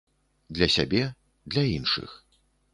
Для сябе, для іншых.